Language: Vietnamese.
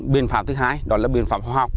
biện pháp thứ hai đó là biện pháp khoa học